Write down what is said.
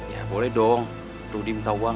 ya boleh dong rudi minta uang